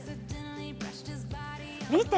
見て！